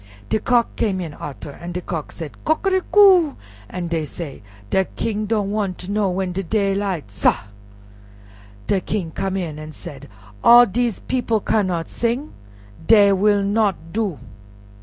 De Cock came in arter, an' de Cock said, "Coquericou," an' dey said, "De King don' wan' ter know when de daylight, sah!" De King came in an' said, "All dese people cannot sing; dey will not do."